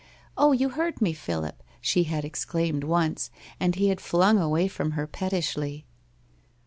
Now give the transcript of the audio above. * Oh, you hurt me, Philip! ' she had exclaimed once, and he had flung away from her pettishly.